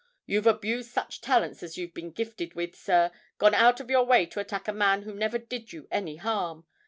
You've abused such talents as you've been gifted with, sir; gone out of your way to attack a man who never did you any harm.